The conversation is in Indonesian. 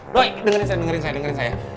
loh dengerin saya dengerin saya dengerin saya